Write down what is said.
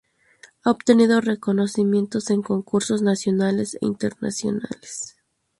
Ha obtenido reconocimientos en concursos nacionales e internacionales.